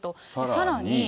さらに。